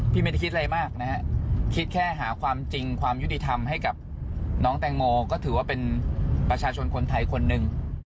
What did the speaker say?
ไม่ได้คิดอะไรมากนะฮะคิดแค่หาความจริงความยุติธรรมให้กับน้องแตงโมก็ถือว่าเป็นประชาชนคนไทยคนหนึ่ง